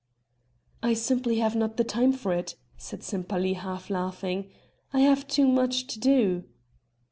"I simply have not the time for it," said Sempaly half laughing. "I have too much to do."